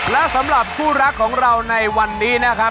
และสำหรับคู่รักของเราในวันนี้นะครับ